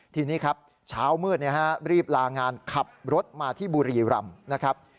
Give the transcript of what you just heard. ทีนี้ครับเช้ามืดรีบลางานขับรถมาที่บุรีรำนะครับ